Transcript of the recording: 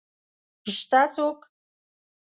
شته څوک؟